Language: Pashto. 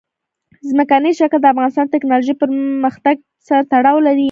ځمکنی شکل د افغانستان د تکنالوژۍ پرمختګ سره تړاو لري.